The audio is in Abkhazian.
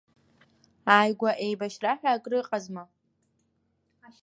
Ааигәа еибашьра ҳәа акрыҟазма?